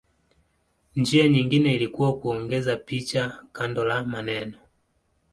Njia nyingine ilikuwa kuongeza picha kando la maneno.